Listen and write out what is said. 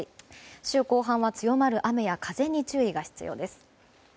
週後半は強まる雨や風に注意が必要です。